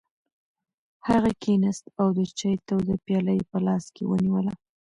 هغه کېناست او د چای توده پیاله یې په لاس کې ونیوله.